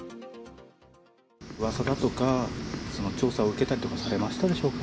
うわさだとか、調査を受けたりとかされましたでしょうか。